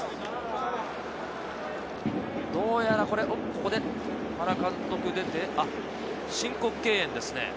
どうやらここで原監督が出て申告敬遠ですね。